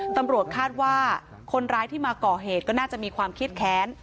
ตำรวจคาดว่าคนร้ายที่มาก่อเหตุก็น่าจะมีความเครียดแค้น